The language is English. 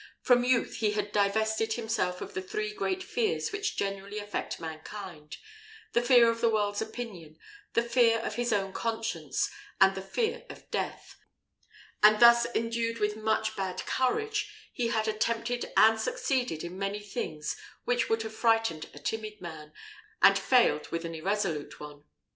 From youth he had divested himself of the three great fears which generally affect mankind: the fear of the world's opinion, the fear of his own conscience, and the fear of death; and, thus endued with much bad courage, he had attempted and succeeded in many things which would have frightened a timid man, and failed with an irresolute one.